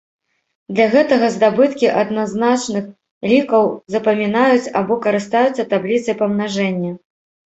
Для гэтага здабыткі адназначных лікаў запамінаюць або карыстаюцца табліцай памнажэння.